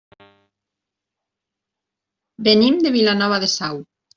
Venim de Vilanova de Sau.